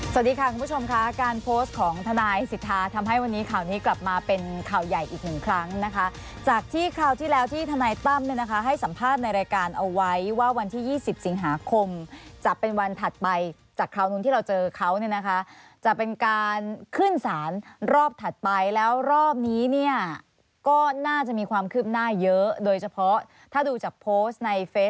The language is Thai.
สวัสดีค่ะคุณผู้ชมค่ะการโพสต์ของทนายสิทธาทำให้วันนี้ข่าวนี้กลับมาเป็นข่าวใหญ่อีกหนึ่งครั้งนะคะจากที่คราวที่แล้วที่ทนายตั้มเนี่ยนะคะให้สัมภาษณ์ในรายการเอาไว้ว่าวันที่ยี่สิบสิงหาคมจะเป็นวันถัดไปจากคราวนู้นที่เราเจอเขาเนี่ยนะคะจะเป็นการขึ้นสารรอบถัดไปแล้วรอบนี้เนี่ยก็น่าจะมีความคืบหน้าเยอะโดยเฉพาะถ้าดูจากโพสต์ในเฟซ